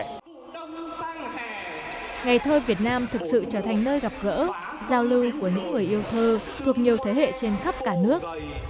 ngày thơ việt nam thực sự trở thành nơi gặp gỡ giao lưu của những người yêu thơ thuộc nhiều thế hệ trên khắp cả nước